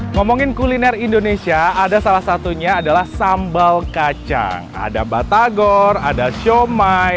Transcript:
ngomongin kuliner indonesia ada salah satunya adalah sambal kacang ada batagor ada siomay